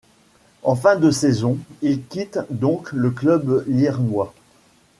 En fin de saison, il quitte donc le club lierrois.